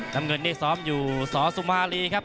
น้ำเงินนี่ซ้อมอยู่สสุมารีครับ